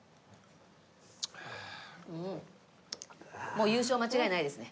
もう優勝間違いないですね。